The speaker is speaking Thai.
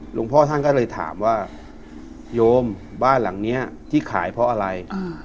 หลวงพ่อท่านก็เลยถามว่าโยมบ้านหลังนี้ที่ขายเพราะอะไร